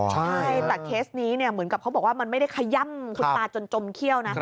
ใช่แต่เคสนี้เหมือนกับเขาบอกว่ามันไม่ได้ขย่ำคุณตาจนจมเขี้ยวนะ